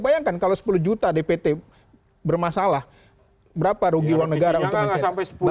bayangkan kalau sepuluh juta dpt bermasalah berapa rugi uang negara untuk mencari